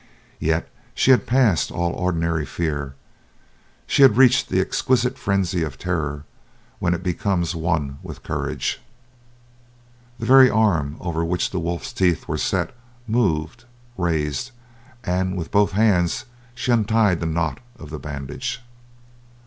Yet she had passed all ordinary fear. She had reached that exquisite frenzy of terror when it becomes one with courage. The very arm over which the wolf's teeth were set moved raised and with both hands she untied the knot of the bandage.